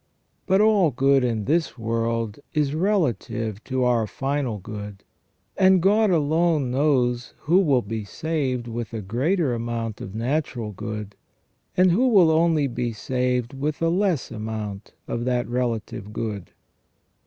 But all good in this world is relative to our final good, and God alone knows who will be saved with a greater amount of natural good, and who will only be saved with a less amount of that relative good.